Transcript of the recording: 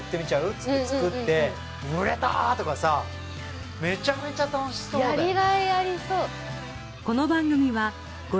っつって作って「売れた！」とかさめちゃめちゃ楽しそうだよね